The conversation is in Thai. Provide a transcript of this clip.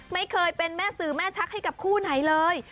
ไม่เคยเป็นแม่สื่อแม่ชักให้กับคู่ไหนเลย